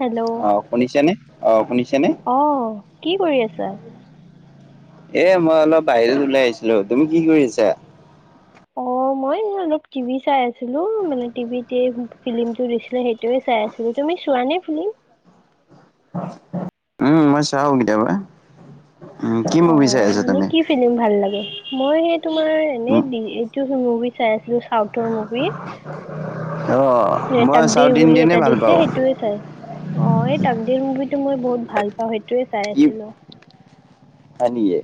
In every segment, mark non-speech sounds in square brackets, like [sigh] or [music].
Hello অ', শুনিছেনে অ', শুনিছে নে? অ', কি কৰি আছা? এ মই অলপ বাহিৰত ওলাই আহিছিলো, তুমি কি কৰি আছা? অ', মই অলপ টিভি চাই আছিলো, মানে টিভিতে ফিল্ম টো দিছিলে সেই টোৱে চাই আছিলো। তুমি চোৱানে ফীম্ল? [inaudible] উম, মই চাও কেতিয়াবা। উম কি মুভি চাই অ' আছা এনেই তুমি? কি ফিলি্ম ভাল লাগে মই সেই তোমাৰ এনে এইটো মুভি চাই আছিলো চাউথৰ মুভি অ হে মই তাকদিৰ চাউথ বুলি ইণ্ডিয়ানে এটা ভাল দিছে পাওঁ সেইটোয়ে চাই অ এই তাকদিৰ মুভি টো মই বহুত ভাল পাওঁ সেইটোয়ে চাই আছিলো। দিয়ে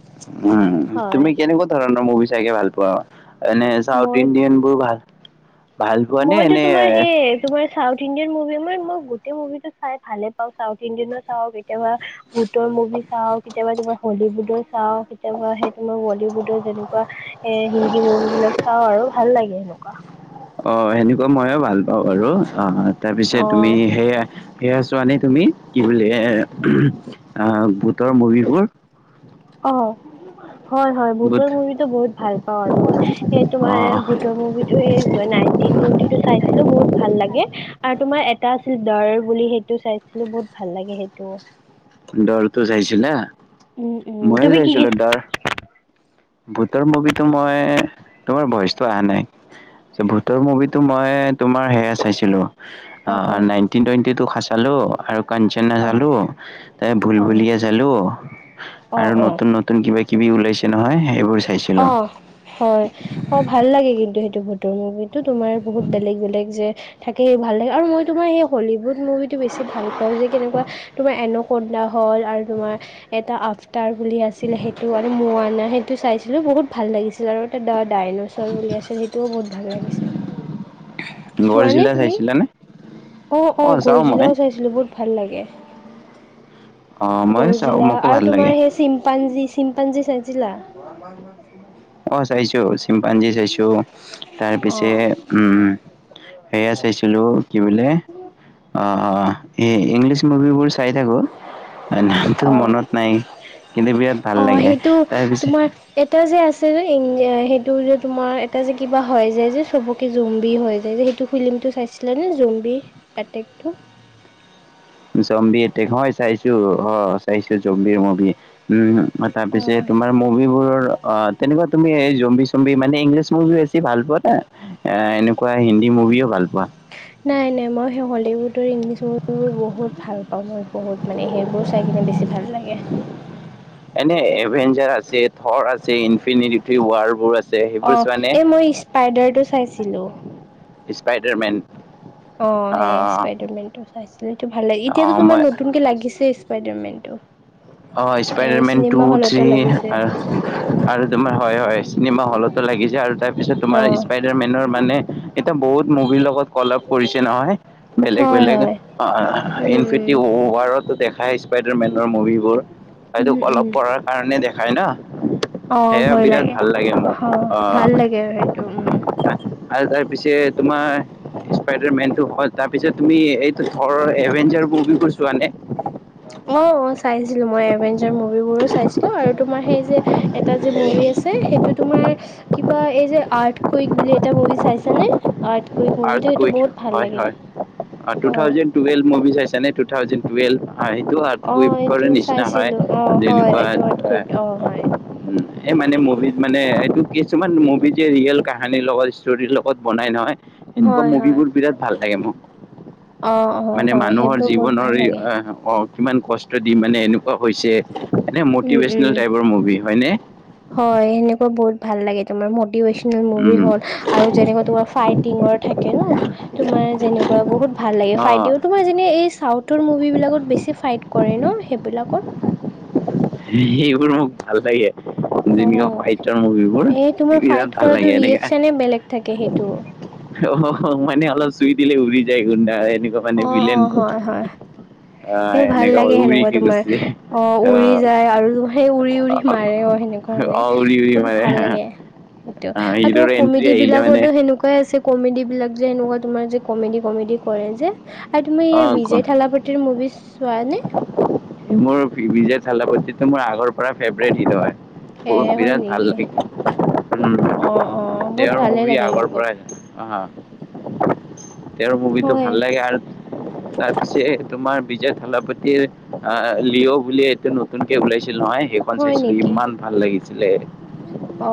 উম হয় তুমি কেনেকুৱা ধৰণৰ মুভি চাইেকে ভাল পোৱা এনে চাউথ মই ইণ্ডিয়ান বোৰ ভাল ভাল পোৱা নে মইতো এনে তোমাৰ সেই তোমাৰ চাউথ ইণ্ডিয়ান মুভি মই মই গোটেই মুভি টো চাই ভালে পাওঁ চাউথ ইণ্ডিয়ানো চাওক কেতিয়াবা ভুতৰ মুভি চাও কেতিয়াবা তোমাৰ হলিউডৰ চাওঁ কেতিয়াবা সেই তোমাৰ বলীউডৰ যেনেকুৱা এ হিন্দী মুভি বিলাক চাও আৰু ভাল লাগে সেনকা অঁ সেনেকুৱা ময়ো ভাল পাওঁ আৰু অ তাৰপিছত অ তুমি সেয়া সেয়া ছোৱানে তুমি কি বুলে এ ভুতৰ মুভিবোৰ অ হয় হয় ভূত ভুতৰ মুভিটো বহুত ভাল পাওঁ আৰু মই এ তোমাৰ অ ভুতৰ মুভি টো এই নাইনটিন টুৱেনটি টো চাইছিলো বহুত ভাল লাগে আৰু তোমাৰ এটা আছিল দৰ বুলি সেইটো চাইছিলো বহুত ভাল লাগে সেইটোঅ দৰটো ছাইছিলা উম উম ময়ো তুমি কি কি ছাইছিলো দৰ ভুতৰ মুভিটো মই তোমাৰ ভইচটো অহা নাই চ ভুতৰ মুভিটো মই তোমাৰ সেয়া চাইছিলোঁ আ অ নাইনটিন টুৱেনটি টু খা চালো আৰু কাঞ্চনা অ চালো আ ভুল অ', ভুলিয়া চালো অ', আৰু অ', নতুন নতুন কিবা কিবি ওলাইছে নহয় সেইবোৰ চাইছিলো অ হয় অ ভাল লাগে কিন্তু সেইটো বহুত ভুতৰ মুভিটো তোমাৰ বহুত বেলেগ বেলেগ যে থাকে সেই ভাল লাগে আৰু মই তোমাৰ সেই হলিউড মুভিটো বেছি ভাল পাওঁ যে কেনেকুৱা তোমাৰ এন কুন্দা হল আৰু তোমাৰ এটা আফতাৰ বুলি আছিলে সেইটো আৰু মোৱানা সেইটো চাইছিলোঁ বহুত ভাল লাগিছিল আৰু তটা ডাইনছৰ বুলি আছিল সেইটোও বহুত ভাল লাগিছিল [unintelligible] চোৱা নে গড়জিলা তুমি চাইছিলানে অ অ চাও মই গৰজিলাও চাইছিলো বহুত ভাল লাগে অ ময়ো চাও গৰজিলা মোকো ভাল আৰু তোমাৰ লাগে সেই চিম্পা্নজি চিম চিম্পাঞ্জী চাই ছিলা অ চাইছো চিম্পাঞ্জি চাইছো তাৰ পিছে অ', উম সেয়া চাইছিলো কি বোলে আ ই ইংলিছ মুভিবোৰ চাই থাকো। নামটো অ'। মনত নাই কিন্তু বিৰাট ভাল অ লাগে সেইটো তাৰ পিছত এটা যে আছে যে সেইটো যে তোমাৰ এটা যে কিবা হয় যায় যে চবকে জুম্বি হৈ যায় যে সেইটো ফিল্মটো চাইছিলা নে জম্বি এটেকটো জম্বী এটেক হয় চাইছো অ চাইছো জম্বীৰ মুভি উম অ তাৰপিছে তোমাৰ মুভিবোৰৰো অ তেনেকুৱা তুমি এই জম্বি চম্বি মানে ইংলিছ মুভি বেছি ভাল পোৱা নে এ এনেকুৱা হিন্দী মুভিও ভাল পোৱা। নাই নাই মই সেই হলীউডৰ ইংলিছ চিনেমাবোৰ বহুত ভাল পাওঁ মই। বহুত মানে সেইবোৰ চাই কিনে বেছি ভাল লাগে। এনে এডভেঞ্চাৰ আছে থৰ আছে ইনফিনিট ৱাৰ বোৰ আছে। অ সেইবোৰ চোৱা নে? এই মই স্পাইডাৰ টো চাইছিলো। স্পাইডাৰমেন। অ সেই স্পাইডাৰ মেন টো চাইছিল সেইটো ভাল লাগে অ, এতিয়াতো তোমাৰ মই নতুনকে লাগিছে পাইডাৰমেনটো। অহ স্পাইডাৰমেন টু, থ্ৰী লাগিছে আঁহ আৰু তোমাৰ হয় হয় চিনেমা হলত ত লাগিছে আৰু তাৰপিছত অ তোমাৰ স্পাই ডাৰমেনৰ মানে এতিয়া বহুত মুভিৰ লগত কলাপ কৰিছে নহয় বেলেগ - হয় বেলেগ। হয় অহ উম ইনফিটি ৱাৰত দেখাই স্পাইডাৰমেনৰ মুভিবোৰ। হয় উম উম তোক উম অলপ কৰাৰ কাৰণে দেখায় না। অ ভয় লাগে, অহ ভাল অ'। লাগে আৰু সেইটো উম। আৰু তাৰপিছে তোমাৰ স্পাইডাৰমেনটো হল তাৰপিছত তুমি এই টো থৰৰ এভেঞ্জাৰ মুভিবোৰ চোৱা নে? অ অ চাইছিলো, মই এভেঞ্জাৰ মুভিবোৰো চাইছিলো আৰু তোমাৰ সেই যে এটা যে মুভি আছে সেইটো তোমাৰ কিবা এই যে আৰ্ট কুইক বুলি এটা মুভি চাইছানে? আৰ্ট কুইক আৰ্ট মুভিটো সেইটো কুইক বহুত ভাল হয় লাগে হয়, অ টু থাউজেন টুৱেলভ মুভি চাইছানে টু থাউজেন টুৱেলভ? হয় সেইটো আৰ্ট অ কুইকৰ এইটো নিচিনা হয় চাইছিলো অ হয় যেনিবা আ এইটো আৰ্ট কুইক অ হয় হুম এই মানে মুভিত মানে এইটো কিছুমান মুভিত যে ৰিয়েল কাহানীৰ লগত ষ্টৰীৰ লগত বনাই নহয়। এনেকুৱা হয় হয় মুভিবোৰ বিৰাট ভাল লাগে মোক। অ অ মানে হয় মানুহৰ সেইবোৰ বহুত ভাল জীৱনৰ ই লাগে আহ অহ কিমান কষ্ট দি মানে এনেকুৱা হৈছে, এনেই উম উম মটিভেশনেল টাইপৰ মুভি হয়নে? হয় সেনেকুৱা বহুত ভাল লাগে তোমাৰ মট তিভেচনেল মুভি হ'ল আৰু যেনেকুৱা তোমাৰ ফাইটিঙৰ থাকে ন? তোমাৰ যেনেকুৱা বহুত ভাল লাগে, অঁ ফাইডেউ তোমাৰ যে এই চাউথ তৰ মুভিবিলাকত বেছি ফাইট কৰে ন সেইবিলাকত? সেইবোৰ মোক ভাল লাগে। [inaudible] অহ যেনেকুৱা ফাইটাৰ মুভিবোৰ এই তোমাৰ বিৰাট ফাইট ভাল কৰাটো ৰিয়েকচনে বেলেগ থাকে সেইটো। হ হ হ মানে অলপ চুই দিলে উৰি যায় গুণ্ডা এনেকুৱা মানে অ অ বিলেনবোৰ। হয় হয় সেই ভাল লাগে সেনেকুৱা তোমাৰ, যায় অ উৰি অ' যায় আৰু সেই উৰি উৰি মাৰে অ সেনেকুৱা মানে অ' উৰি উৰি মোৰো মাৰে ভাল লাগে। সেইটো আৰু তোমাৰ হিৰোৰ এন্ট্ৰি আহিলে মানে কমেডীবিলাকটো সেনেকুৱাই আছে। কমেডিবিলাক যে এনেকুৱা তোমাৰ যে কমেডি - কমেডি কৰে যে? আৰু তুমি এই অ' বিজয় ক- থালাপাতিৰ মুভি চোৱা নে? মোৰ বি বিজয় থালাপতিটো মোৰ আগৰ পৰা ফেভৰেট হিৰ' হয়। এ মোৰ হয় বিৰাট ভাল নেকি লাগে। উম, অ অ বহুত তেওঁৰ ভালে মুভি লাগে আগৰ মোকো পৰাই অ। তেওঁৰ মুভিটো হয় ভাল লাগে আৰু তাৰ পিছে তোমাৰ বিজয় থলাপাতিৰ আহ লিঅ' বুলি এইটো নতুনকে ওলাইছিল নহয় সেই খন হয় চাইছিলো নেকি ইমান ভাল লাগিছিলে,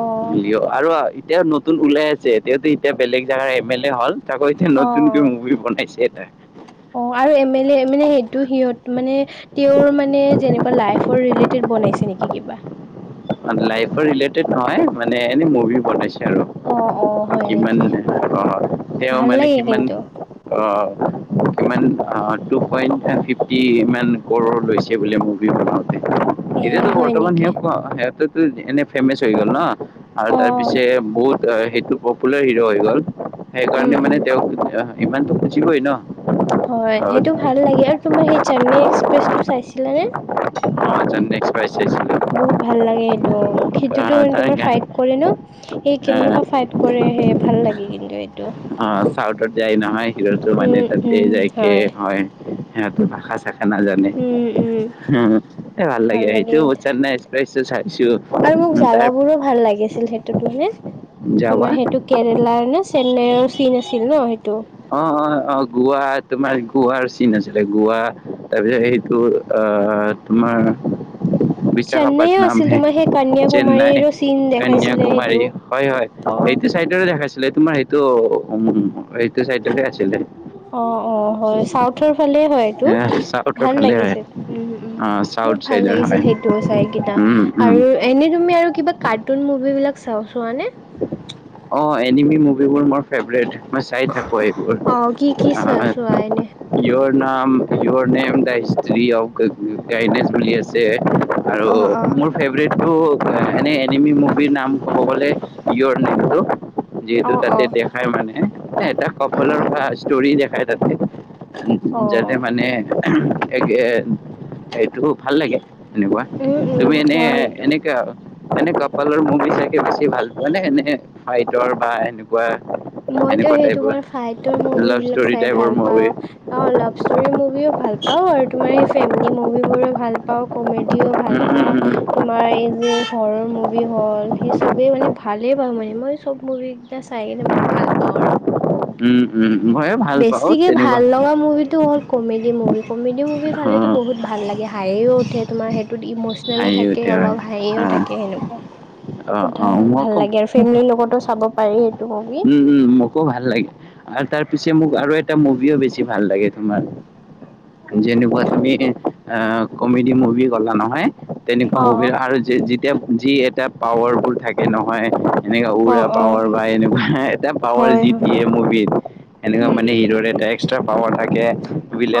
অ লিঅ আৰু এতিয়াও নত তুন ওলাই আছে তেওঁতো এতিয়া বেলেগ জাগাৰ এম এল এ হল তাকৌ এতিয়া অ নতুনকৈ মুভি বনাইছে এটা। অ আৰু এম এল এ মানে সেইটো সিহঁত মানে তেওঁৰ মানে যেনেকুৱা লাইফৰ ৰিলেটেড বনাইছে নেকি কিবা? মানে লাইফৰ ৰিলেটেড নহয় মানে এনে মুভি বনাইছে আৰু। অ অ হয় কিমান নেকি মানে অহ তেওঁ ভাল মানে লাগে কিমান কিন্তু অহ, কিমান অ টু পইণ্ট ফিফটি ইমান কৰৰ লৈছে বুলি মো ভি বনাওতে এ এতিয়াতো হয় বৰ্তমান নেকি সিয়ক ক সে তেটো যি এনে ফেমাচ হৈ গ'ল ন আৰু অ তাৰ পিছে বহুত অহ সেইটো পপুলাৰ হিৰো হৈ গ'ল উম সেইকাৰণে মানে উম তেওঁক ইমানতো খুজিবই ন। হয় আৰু সেইটো ভাল লাগে আৰু তোমাৰ সেই চেন্নাই এক্সপ্ৰেছ টো চাইছিলা নে। চেন্নাই এক্সপ্ৰেছ চাইছিলো। বহুত ভাল লাগে সেইটো অ মোক সেইতোটো মানে তাৰ তোমাৰ গা- ফ্ৰাইট কৰে ন সেই আহ কেনেকুৱা ফ্ৰাইট। কৰেহে ভাল লাগে কিন্তু এইটো। অ চাউথত যায় নহয় হো মানে উম তাতে উম যাইকে হয়। হে তো ভাষা চাখা নাজানো। উম উম। উম এ ভাল লাগে এইটো মই চেন্নাই এক্সপ্ৰেছো চাইছো আৰু মোক তাৰ। জাগাবোৰো ভাল লাগিছিল সেইটোত মানে যাৱা তোমাৰ সেইটো কেৰেলাৰ নে। চেন্নাইৰ চিন আছিল ন সেইটো। অ অ অ গোৱা তোমাৰ গোৱাৰ চিন আছিলে গোৱা তাৰপিছত সেইটো। তোমাৰ। [inaudible] চেন্নাইয়ও বিশাখাপট্টনম আছিল হে তোমাৰ সেই চেন্নাই কন্যাকুমাৰীৰো চিন দেখাইছিলে এইটো অ। চাইড দেখাইছিলে তোমাৰ সেইটো উ সেইটো চাইডতে আছিলে। অ অ হয় চাউথৰ ফালে হয়। টো এ চাউথৰ ভাল ফালে হয় লাগিছিল উম উম অ চাউথ বহুত ভাল চাইডৰ লাগিছিল হয় সেইটো চাইকিটা উম উম আৰু। এনেই তুমি আৰু কিবা কাৰ্টুন মুভিবিলাক চাওঁ চোৱানে। অ এনিমি মুভিবোৰ মই। ফেভৰেত মই চাই থাকো এইবোৰ। অ কি কি চোৱা চোৱা এনে ইয়ৰ নাম য়ৰ নেম দা হিষ্টী অফ গাইনে চলি আছে। আৰু অ অ মোৰ ফেভৰেটটো এনেই এনিমি মুভিৰ নাম ক'ব গ'লে। ইয়ৰ নেমটো অ যিহেতু অ তাতে দেখাই মানে এটা উম সফলৰ উম ভাজ। ষ্টোৰি দেখাই তাতে অ যাতে মানে এ এক। এইটো ভাল লাগে এনেকুৱা উম উম তুমি এনে হয় এইটো এনেকা। মানে কপালৰ মুভি চাইকে বেছি ভাল পোৱা নে সেনে ফাইটৰ বা এনেকুৱা। মইতো এনেকুৱা সেই টাইপৰ তোমাৰ ফাইটৰ মুভি লাভ বিলাক ষ্টৰি চাই টাইপৰ ভাল মুভি পাওঁ অ অলপ। ষ্ট মুভিও ভাল পাও আৰু তোমাৰ সেই ফেমিলি মুভিবোৰো ভাল পাওঁ কমেডিও। ভাল উম উম পাওঁ। তোমাৰ এই যে ঘৰৰ মুভি হ'ল সেই চবেই মানে ভালেই পাওঁ মানে মই চব মুভ কেইটা চাই কিনে বহুত। ভাল পাওঁ আৰু। উম উম মইও ভাল। পাওঁ বেছিকে ভাল তেনেকুৱা লগা মুভি টো। কমেডি মুভি কমেডী মুভি অ চালেতো বহুত ভাল লাগে হাহিও উঠে তোমাৰ সেইটোত ইমচ। লো হাঁহি থাকে উঠে হয় অলপ হাইও অ থাকে সেনেকুৱা। অ অ সুধা ভাল মোকো লাগে আৰু ফেমিলিৰ লগতো চাব পাৰি সেইটো মুভি। উম উম মোকো ভাল লাগে আৰু তাৰ পিছে মোক আৰু এটা মুভিও বেছি ভাল লাগে তোমাৰ। যেনেকুৱা তুমি অ কমেডি মুভি কলা নহয় তেনেকুৱা অ মুভিৰ আৰু। যে যেতিয়া যি এটা পাৱাৰফুল থাকে নহয়। এনেকা অ অ উৰা অ পাৱাৰ বাই এনেকুৱা এটা পাৱাৰ হয় জি হয়। দিয়ে মুভিত। এনেকুৱা উম মানে উম। এইদৰে তাইক। এক্সা পাৱাৰ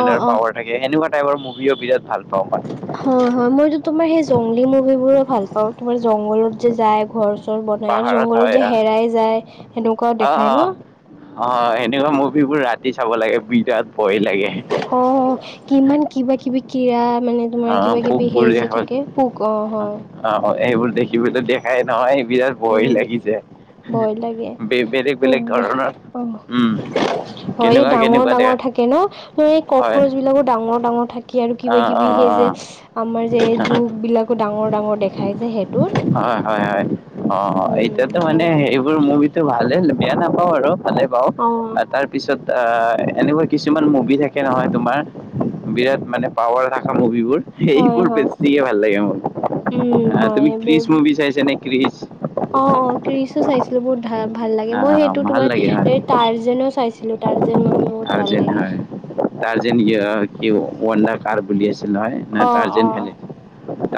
অ', অ', পাৱাৰ থাকে এনেকুৱা টাইপৰ মুভিও বিৰাট ভাল পাওঁ মই। হয় হয় মইতো তোমাৰ সেই জংলী মুভিবোৰো ভাল পাওঁ তোমাৰ জংঘলত যে যায় ঘৰ। চৰ বনাৰীয়া পাহাৰত হয় জংঘলত যে হেৰাই যায় সেনেকুৱা অ অ দেখাই অ ন। অ সেনেকুৱা মুভিবোৰ ৰাতি চাব লাগে বিৰাত ভয় লাগে অ কিমান কিবা কিবি কিয়াত মানে অ তোমাৰ কিবা কিবি পোকবোৰ সেই যে দেখা থাকে পোক অ হয় অ এইবোৰ দেখিবতো দেখাই নহয় বিৰাট ভয় উম, লাগি যাই ভয় লাগে পোক ধৰণৰ অ উম, হয় এই কেনেকুৱা ডাঙৰ কেনেকুৱা ডাঙৰ দেখা থাকে ন সেই হয় কক্ৰচ বিলাকৰ ডাঙৰ ডাঙৰ থাকে আৰু কিবা অ' কিবি সেই যে অ' আমাৰ যে অ' জোক বিলাক আকৌ ডাঙৰ ডাঙৰ দেখাই যে সেইটোত হয় হয় হয় অ এতিয়াতো উম, মানে সেইবোৰ মুভিটো ভালেই বেয়া নাপাওঁ আৰু ভালে পাওঁ অ'। তাৰপিছত আহ এনেকুৱা কিছুমান মুভি থাকে নহয় তোমাৰ বিৰাট মানে পাৱাৰ থকা মুভিবোৰ হয় সেইবোৰ হয় বেছিয়ে ভাল লাগে মোৰ উম আহ হয় তুমি ক্ৰিচ এইবোৰ মুভি চাইছা নে ক্ৰিচ অ অ ক্ৰিচো চাইছিলোঁ বহুত ভা ভাল লাগে মই আহ, সেইটো ভাল তোমাৰ লাগে হয় এই তাৰ্জেনো চাইছিলোঁ। তাৰ্জেন মুভি বহুত ভাল তাৰ্জেন লাগে হয় তাৰ্জেন কি ৱণ্ডাৰ কাৰ বুলি আছে আছিল নহয় অ তাৰ্জেন অ ভেলি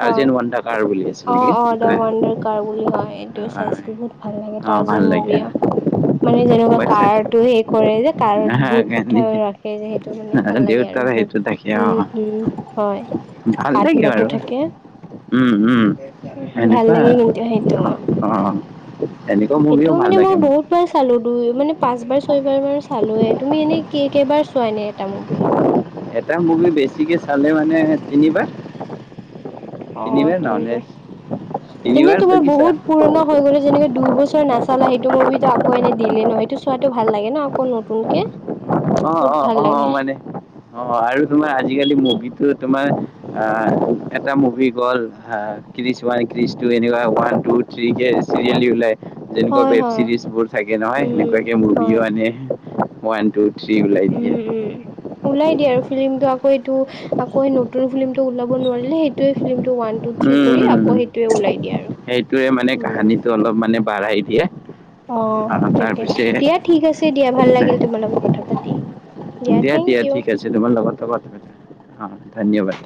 হয় ৱণ্ডাৰ কাৰ বুলি আছে। অ অ দা ৱণ্ডাৰ কাৰ বুলি হয়। এইটোও হয় চাইছিলোঁ বহুত ভাল লাগে অ ভাল তাৰ্জেন মুভি‌ লাগে অ মানে যেনেকুৱা মই চাইছো কাৰটো সেই কৰে যে। কাৰত ভূত ৰাখে যে সেইটো মানে ভাল লাগে দেউতাৰ আৰু সেইটো থাকে অ ভূত উম উম হয়। ভাল লাগে বাৰু আত্মাটো থাকে। উম উম ভাল এনেকুৱা লাগে কিন্তু সেইটো মোৰ অ এনেকুৱা মুভিও সেইটোও ভাল মানে মোৰ লাগে বহুত মোক বহুতবাৰ চালো দুই মানে পাঁচ বাৰ ছয় বাৰ মান চালোয়ে তুমি এনেই কে কেইবাৰ চোৱা এনে এটা মুভি এটা মুভি বেছিকে চালে মানে তিনিবাৰ অ তিনিবাৰ এনে তিনিবাৰ তোমাৰ কি চা বহুত পুৰণা হৈ গ'লে যেনেকে দুই বছৰ নাচালা সেইটো মুভিতো আকৌ এনে দিলে ন সেইটো চোৱাটো ভাল লাগে ন আকৌ নতুন কে অ অ অ মানে অ আৰু তোমাৰ আজিকালি মুভিটো তোমাৰ আহ এটা মুভি গ'ল আহ ক্ৰিচ ওৱান ক্ৰিচ টু এনেকুৱা ওৱান টু থ্ৰী কে চিৰিয়েলি ওলায়। যেনেকুৱা হয় ৱেব হয় চিৰিজ বোৰ থাকে নহয় উম সেনেকুৱাকে মুভিও হয় আনে ওৱান টু থ্ৰী ওলাই দিয়ে। উম উম ওলাই দিয়ে আৰু ফিল্মিটো আকৌ এইটো আকৌ সেই নতুন ফিল্ম টো ওলাব নোৱাৰিলে সেই টোৱে ফিল্মটো ওৱান টু থ্ৰী কৰি আকৌ সেইটোৱে ওলাই দিয়ে আৰু সেইটোয়ে মানে উম কাহানীটো অলপ মানে বাঢ়াই দিয়ে। অ তাকে দিয়া ঠিক আছে দিয়া ভাল লাগিল তোমাৰ লগত কথা পাতি। দিয়া থেংক ইউ চিনেমা লগত থবা তুমি অ ধন্যবাদ।